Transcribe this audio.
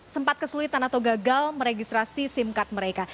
sempat kesulitan atau gagal meregistrasi sim card mereka